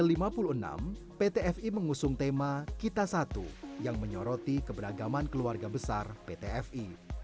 pada tahun seribu sembilan ratus lima puluh enam pt fi mengusung tema kita satu yang menyoroti keberagaman keluarga besar pt fi